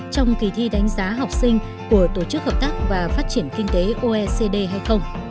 trong kỳ thi đánh giá học sinh của tổ chức hợp tác và phát triển kinh tế oecd hay không